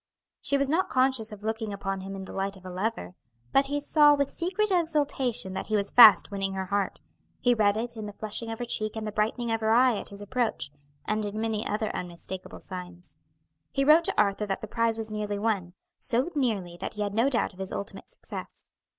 She was not conscious of looking upon him in the light of a lover, but he saw with secret exultation that he was fast winning her heart; he read it in the flushing of her cheek and the brightening of her eye at his approach, and in many other unmistakable signs. He wrote to Arthur that the prize was nearly won; so nearly that he had no doubt of his ultimate success.